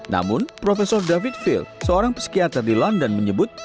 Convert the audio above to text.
namun profesor david phil seorang psikiater di london menyebut